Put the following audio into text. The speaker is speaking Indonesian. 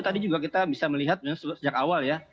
tadi juga kita bisa melihat sejak awal ya